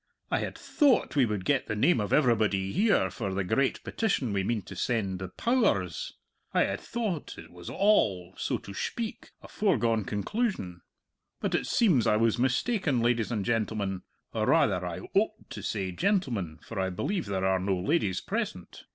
I had thoat we would get the name of everybody here for the great petition we mean to send the Pow ers. I had thoat it was all, so to shpeak, a foregone conclusion. But it seems I was mistaken, ladies and gentlemen or rather, I oat to say gentlemen, for I believe there are no ladies present.